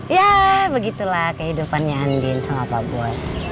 yah begitulah kehidupannya andien sama pak bos